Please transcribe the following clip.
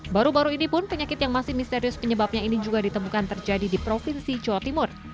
baru baru ini pun penyakit yang masih misterius penyebabnya ini juga ditemukan terjadi di provinsi jawa timur